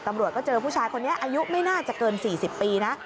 ตำรวจก็เจอผู้ชายคนนี้อายุไม่น่าจะเกิน๔๐ปีนะ